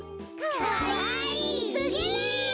かわいすぎる。